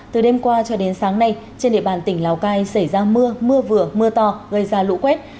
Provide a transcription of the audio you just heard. từ đêm qua cho đến sáng nay trên địa bàn tỉnh lào cai xảy ra mưa mưa vừa mưa to gây ra lũ quét